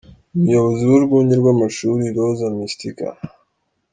Umuyobozi w’urwunge rw’amashuri Rosa Mystica, Sr.